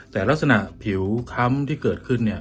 แต่ลักษณะผิวค้ำที่เกิดขึ้นเนี่ย